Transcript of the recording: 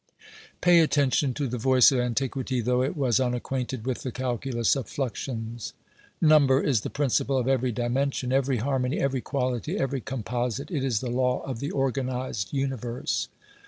Pay attention to the voice of antiquity, though it was unacquainted with the calculus of fluxions. Number is the principle of every dimension, every harmony, every quality, every composite ; it is the law of the organised universe.